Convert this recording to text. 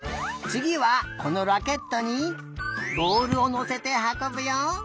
つぎはこのラケットにぼおるをのせてはこぶよ！